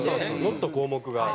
もっと項目がある。